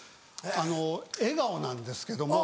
あの笑顔なんですけども。